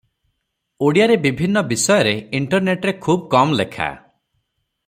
ଓଡ଼ିଆରେ ବିଭିନ୍ନ ବିଷୟରେ ଇଣ୍ଟରନେଟରେ ଖୁବ କମ ଲେଖା ।